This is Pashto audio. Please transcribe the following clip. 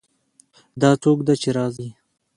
دا څوک ده چې راځي